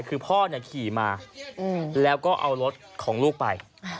คือพ่อขี่มาแล้วก็เอารถของลูกไป